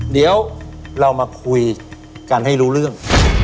เดี๋ยวเรามาคุยกันให้รู้เรื่อง